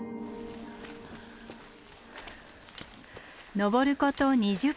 登ること２０分。